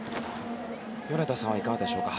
米田さんはいかがでしょうか。